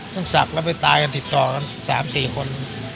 ต้องศักดิ์แล้วไปตายกันติดต่อกัน๓๔คน